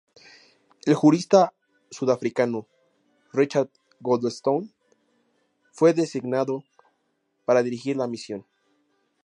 El jurista sudafricano Richard Goldstone fue designado para dirigir la misión.